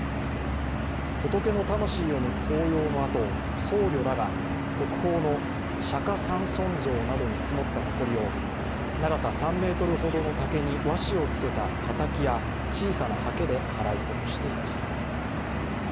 仏の魂を抜く法要のあと僧侶らが国宝の釈迦三尊像などに積もったほこりを長さ３ｍほどの竹に和紙をつけたはたきや、小さなはけで払い落としていました。